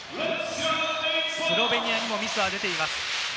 スロベニアにもミスは出ています。